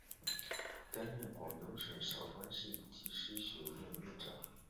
担任广东省韶关市技师学院院长。